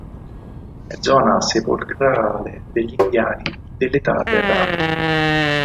È zona sepolcrale degli indiani dell'età del rame.